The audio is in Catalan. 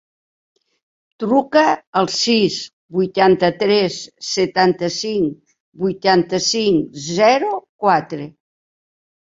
Truca al sis, vuitanta-tres, setanta-cinc, vuitanta-cinc, zero, quatre.